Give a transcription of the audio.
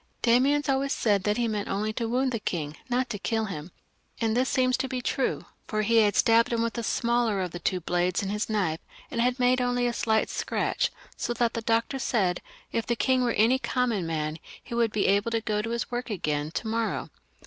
Damiens always said that he meant only to woimd the king, not to kill him, and this seems true, for he had stabbed him with the smaller of two blades which he had in his knife, and had made only a slight scratch, so that the doctor said : "If the king were any common man, he would be able to go to his work again to morrow."